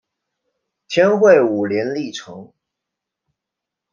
天会五年历成。